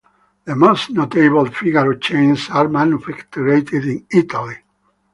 The most notable figaro chains are manufactured in Italy.